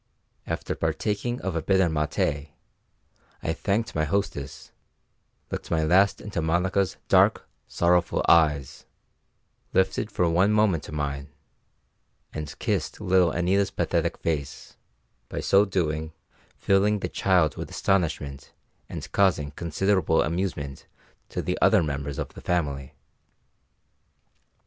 After partaking of bitter maté, I thanked my hostess, looked my last into Monica's dark, sorrowful eyes, lifted for one moment to mine, and kissed little Anita's pathetic face, by so doing filling the child with astonishment and causing considerable amusement to the other members of the family.